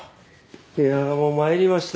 いやあもう参りましたよ